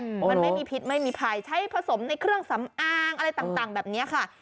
มันไม่มีพิษไม่มีภัยใช้ผสมในเครื่องสำอางอะไรต่างต่างแบบเนี้ยค่ะ